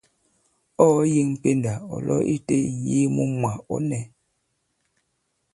Ɔ̂ ɔ̀ yeŋ pendà ɔ̀ lo itē ì-ŋ̀yee mu mwà, ɔ̌ nɛ̄.